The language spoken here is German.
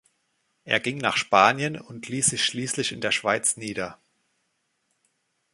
Er ging nach Spanien und ließ sich schließlich in der Schweiz nieder.